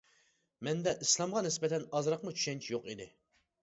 مەندە ئىسلامغا نىسبەتەن ئازراقمۇ چۈشەنچە يوق ئىدى.